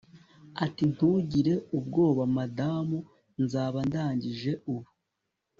ati ntugire ubwoba, madamu. nzaba ndangije ubu